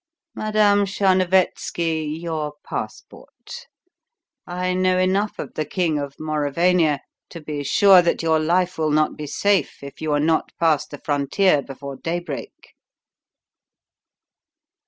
Madame Tcharnovetski, your passport. I know enough of the King of Mauravania to be sure that your life will not be safe if you are not past the frontier before daybreak!"